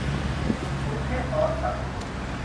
กรุงเทพร้อนสัส